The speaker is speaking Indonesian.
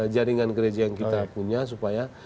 jaringan gereja yang kita punya supaya